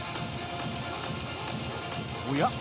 おや？